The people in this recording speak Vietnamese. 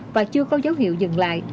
và chưa có dấu hiệu dừng lại